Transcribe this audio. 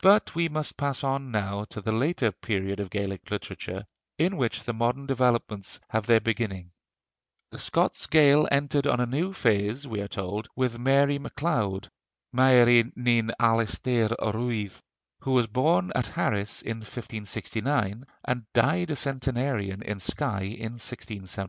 But we must pass on now to the later period of Gaelic literature, in which the modern developments have their beginning. The Scots Gael entered on a new phase, we are told, with Mary MacLeod (Mairi ni'n Alastair Ruaidh), who was born at Harris in 1569, and died a centenarian in Skye in 1674.